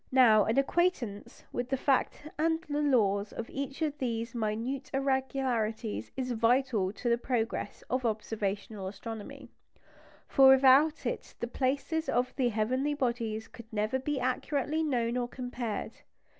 Now, an acquaintance with the fact and the laws of each of these minute irregularities is vital to the progress of observational astronomy; for without it the places of the heavenly bodies could never be accurately known or compared.